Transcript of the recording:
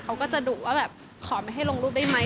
เขาก็จะดุว่าแบบขอไม่ให้ลงรูปได้ไหม